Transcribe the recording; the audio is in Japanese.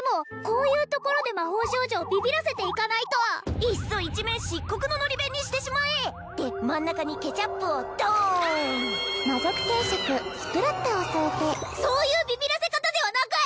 こういうところで魔法少女をビビらせていかないといっそ一面漆黒ののり弁にしてしまえで真ん中にケチャップをどーんそういうビビらせ方ではなく！